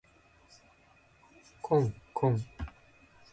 こんこん